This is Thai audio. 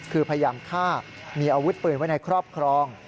คือพยายามฆ่ามีอาวุธปืนไว้ในครอบครอง